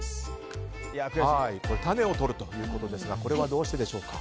種をとるということですがこれはどうしてでしょうか？